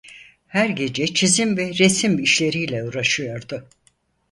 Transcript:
Her gece çizim ve resim işleriyle uğraşıyordu.